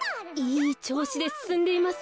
いいちょうしですすんでいます。